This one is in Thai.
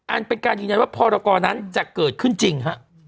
อันเป็นการยืนยันว่าพรกรนั้นจะเกิดขึ้นจริงฮะ